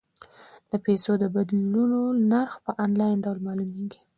د پيسو د بدلولو نرخ په انلاین ډول معلومیږي.